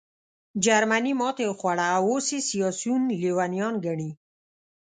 جرمني ماتې وخوړه او اوس یې سیاسیون لېونیان ګڼې